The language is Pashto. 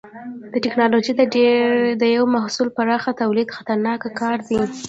د ټېکنالوجۍ د یوه محصول پراخه تولید خطرناک کار دی.